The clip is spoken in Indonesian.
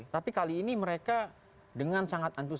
tapi kali ini mereka dengan sangat antusias